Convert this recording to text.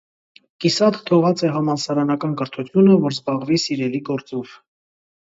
Կիսատ թողած է համալսարանական կրթութիւնը, որ զբաղուի սիրելի գործով։